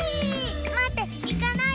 まっていかないで。